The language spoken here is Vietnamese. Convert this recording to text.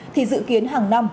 thì dự kiến hàng năm